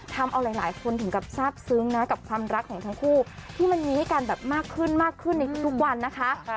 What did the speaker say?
ทำเอาหลายคนถึงกับทราบซึ้งนะกับความรักของทั้งคู่ที่มันมีให้กันแบบมากขึ้นมากขึ้นในทุกวันนะคะ